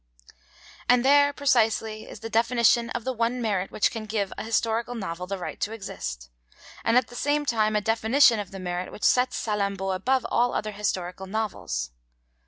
And there, precisely, is the definition of the one merit which can give a historical novel the right to exist, and at the same time a definition of the merit which sets Salammbô above all other historical novels.